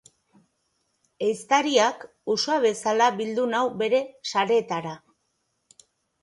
Ehiztariak usoa bezala bildu nau bere sareetara.